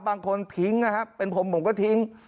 บางคนทิ้งนะครับเป็นผมผมก็ทิ้ง